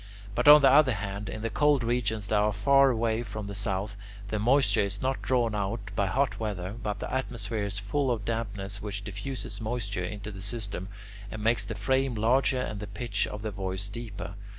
But, on the other hand, in the cold regions that are far away from the south, the moisture is not drawn out by hot weather, but the atmosphere is full of dampness which diffuses moisture into the system, and makes the frame larger and the pitch of the voice deeper.